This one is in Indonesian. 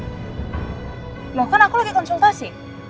makan aku lagi konsultasi